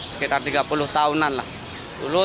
sekitar tiga puluh tahun